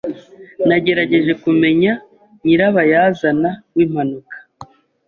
Nagerageje kumenya nyirabayazana w'impanuka.